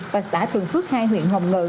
và xã thường phước hai huyện hồng ngự